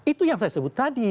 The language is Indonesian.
itu yang saya sebut tadi